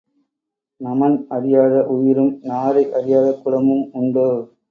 நமன் அறியாத உயிரும் நாரை அறியாத குளமும் உண்டோ?